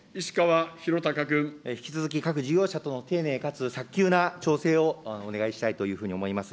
引き続き、各事業者との丁寧かつ早急な調整をお願いしたいというふうに思います。